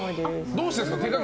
どうしてるんですか？